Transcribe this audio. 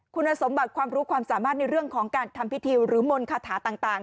คุณสมบัติความรู้ความสามารถในเรื่องของการทำพิธีหรือมนต์คาถาต่าง